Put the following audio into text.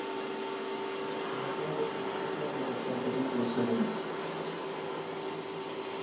Ձմեռները սկսվում են դեկտեմբերի կեսերին։